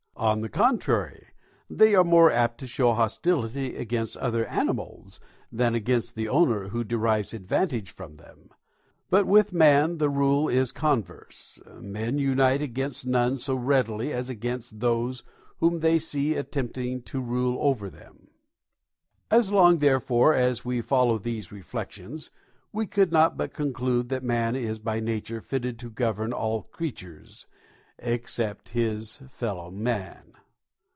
On the contrary, they are more apt to show hostility against other animals than against the owner who derives advantage from them. But with man the rule is converse; men unite against none so readily as against those whom they see attempting to rule over them. As long, therefore, as we followed these reflexions, we could not but conclude that man is by nature fitted to govern all creatures, except his fellow man.